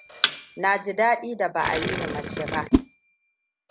Na ji dadi da ba a yi ni mace na.